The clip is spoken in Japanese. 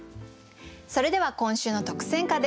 それでは今週の特選歌です。